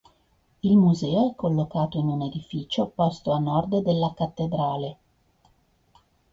Il museo è collocato in un edificio posto a nord della cattedrale.